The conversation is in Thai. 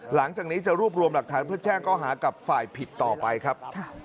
หลังจากนี้จะรวบรวมหลักฐานเพื่อแจ้งข้อหากับฝ่ายผิดต่อไปครับ